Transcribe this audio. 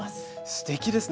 すてきですね